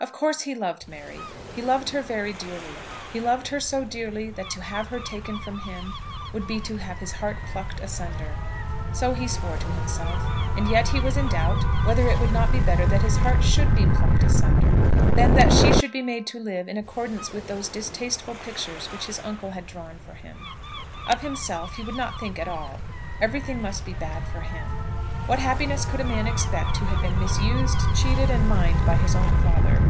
Of course he loved Mary. He loved her very dearly. He loved her so dearly, that to have her taken from him would be to have his heart plucked asunder. So he swore to himself; and yet he was in doubt whether it would not be better that his heart should be plucked asunder, than that she should be made to live in accordance with those distasteful pictures which his uncle had drawn for him. Of himself he would not think at all. Everything must be bad for him. What happiness could a man expect who had been misused, cheated, and mined by his own father?